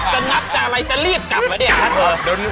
งับจะอะไรจะรีบกลับเหรอเนี่ย